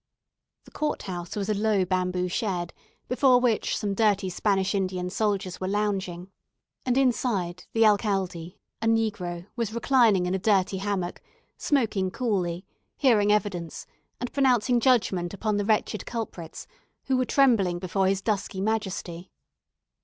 The court house was a low bamboo shed, before which some dirty Spanish Indian soldiers were lounging; and inside, the alcalde, a negro, was reclining in a dirty hammock, smoking coolly, hearing evidence, and pronouncing judgment upon the wretched culprits, who were trembling before his dusky majesty.